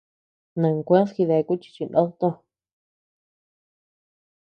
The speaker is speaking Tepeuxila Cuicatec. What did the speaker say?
Nankued jidéaku chi chinod toó.